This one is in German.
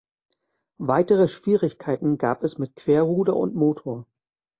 Weitere Schwierigkeiten gab es mit Querruder und Motor.